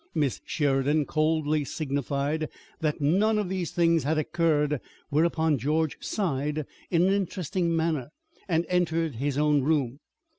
Miss Sheridan coldly signified that none of these things had occurred, whereupon George sighed in an interesting manner and entered his own room.